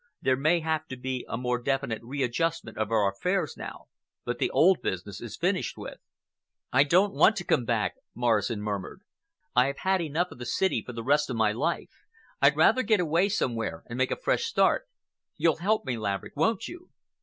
There may have to be a more definite readjustment of our affairs now, but the old business is finished with." "I don't want to come back," Morrison murmured. "I have had enough of the city for the rest of my life. I'd rather get away somewhere and make a fresh start. You'll help me, Laverick, won't you?"